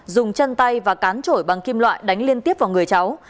dùng chân tay và cán trổi bằng kim loại đánh liên tiếp vào người cháu